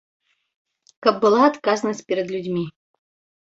Каб была адказнасць перад людзьмі.